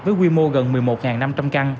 với quy mô gần một mươi một năm trăm linh căn